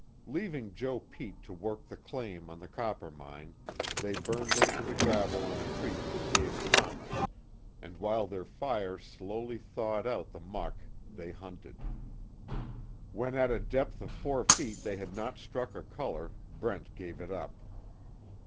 Leaving Joe Pete to work the claim on the Coppermine, they burned into the gravel on a creek that gave promise, and while their fire slowly thawed out the muck, they hunted. When at a depth of four feet they had not struck a color, Brent gave it up.